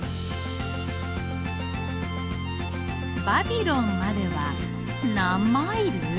「バビロンまではなんマイル？